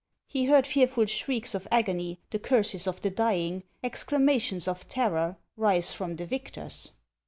He heard fearful shrieks of agony, the curses of the dying, exclamations of terror, rise from the victors.